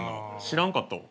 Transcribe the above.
知らんかったわ。